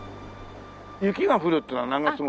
雪が降るっていうのは何月頃？